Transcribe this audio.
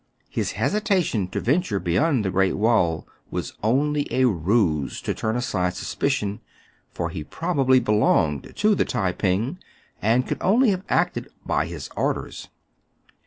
His hesi tation to venture beyond the Great Wall was only a ruse to turn aside suspicion ; for he probably be longed to the Tai ping, and could only have acted by his orders.